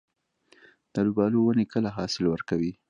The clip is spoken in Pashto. د الوبالو ونې کله حاصل ورکوي؟